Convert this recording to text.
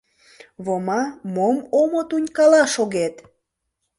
— Вома, мом омо тунькала шогет!